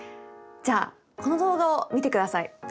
じゃあこの動画を見てください。